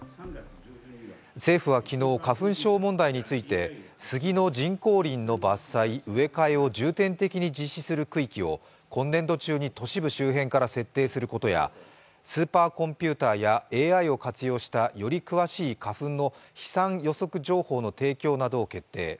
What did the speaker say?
政府は昨日、花粉症問題についてスギの人工林の伐採・植え替えを重点的に実施する地域を今年度中に都市部周辺から設定することやスーパーコンピューターやＡＩを活用したより詳しい花粉の飛散予報情報の提供などを決定。